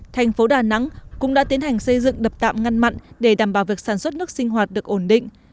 thành phố đà nẵng cũng đã tiến hành xây dựng đập tạm ngăn mặn để đảm bảo việc sản xuất nước sinh hoạt được ổn định